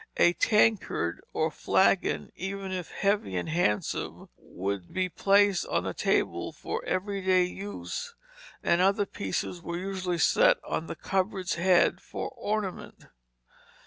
A tankard or flagon, even if heavy and handsome, would be placed on the table for every day use; the other pieces were usually set on the cupboard's head for ornament.